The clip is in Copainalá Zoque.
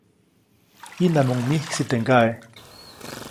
Jiʼnamuŋ myiksi teʼ kaʼe.